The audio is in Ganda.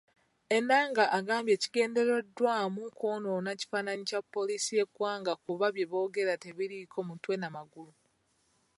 Ennanga agambye kigendereddwamu kwonoona kifaananyi kya poliisi y'eggwanga kuba byeboogera tebiriiko mutwe na magulu.